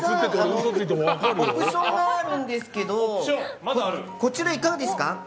オプションがあるんですけどこちらいかがですか。